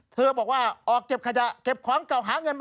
เธอบอกว่าออกเก็บขยะเก็บของเก่าหาเงินมา